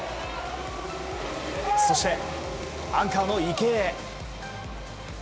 そして、アンカーの池江。